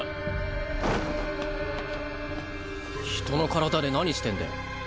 人の体で何してんだよ。